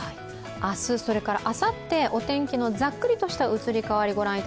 明日、あさって、お天気のざっくりとした移り変わりです。